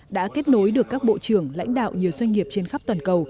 đã kết nối được các bộ trưởng lãnh đạo nhiều doanh nghiệp trên khắp toàn cầu